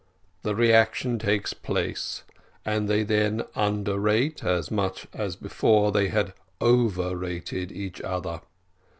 The reaction takes place, and they then underrate, as much as before they had overrated, each other.